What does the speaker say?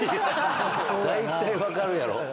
大体分かるやろ！